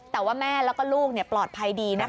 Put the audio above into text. แต่ว่าแม่แล้วก็ลูกปลอดภัยดีนะคะ